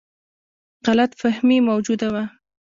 غلط فهمي موجوده وه.